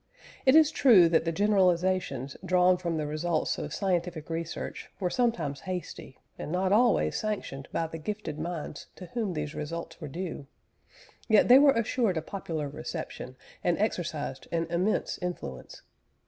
It is true that the generalisations drawn from the results of scientific research were sometimes hasty, and not always sanctioned by the gifted minds to whom these results were due; yet they were assured a popular reception, and exercised an immense influence.